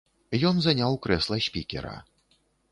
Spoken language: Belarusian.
Ён заняў крэсла спікера.